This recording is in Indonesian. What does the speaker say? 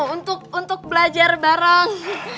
untuk belajar bareng